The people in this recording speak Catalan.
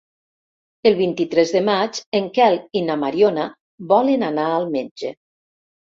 El vint-i-tres de maig en Quel i na Mariona volen anar al metge.